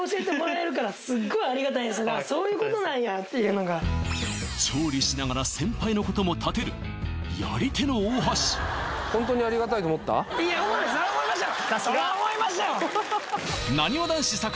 そういうことなんやっていうのが調理しながら先輩のこともたてるやり手の大橋思いましたよ